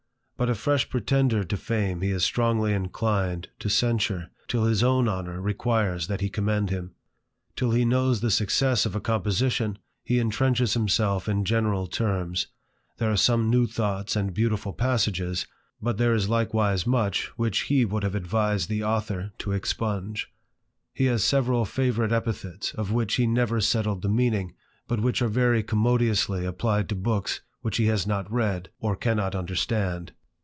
But a fresh pretender to fame he is strongly inclined to censure, till his own honour requires that he commend him. Till he knows the success of a composition, he intrenches himself in general terms; there are some new thoughts and beautiful passages, but THE IDLER. 317 there is likewise much which he would have advised the author to expunge. He has several favourite epithets, of which he never settled the meaning, but which are very commodiously applied to books which he has not read, or cannot understand.